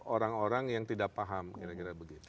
orang orang yang tidak paham kira kira begitu